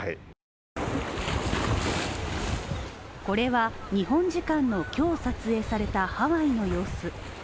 これは日本時間の今日、撮影されたハワイの様子。